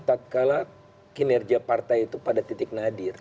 tatkala kinerja partai itu pada titik nadir